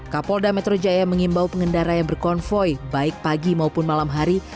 kapolda metro jaya mengimbau pengendara yang berkonvoy baik pagi maupun malam hari